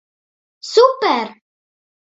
Super!